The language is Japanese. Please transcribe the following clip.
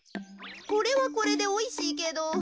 これはこれでおいしいけど。